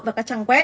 và các trang web